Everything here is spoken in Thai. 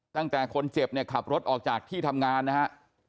ตั้งแต่คนเจ็บเนี่ยขับรถออกจากที่ทำงานนะฮะ